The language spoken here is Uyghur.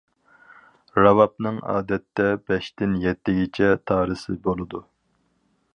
راۋابنىڭ ئادەتتە بەشتىن يەتتىگىچە تارىسى بولىدۇ.